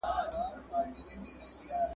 لويه جرګه د تاريخ په اوږدو کي ډېره مهمه ده.